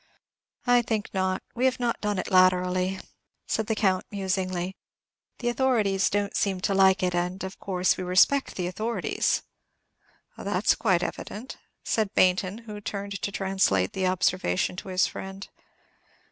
"I think not. We have not done it latterly," said the Count, musingly. "The authorities don't seem to like it; and, of course, we respect the authorities!" "That's quite evident," said Baynton, who turned to translate the observation to his friend.